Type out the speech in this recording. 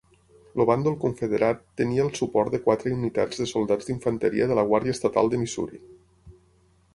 El bàndol confederat tenia el suport de quatre unitats de soldats d'infanteria de la Guàrdia Estatal de Missouri.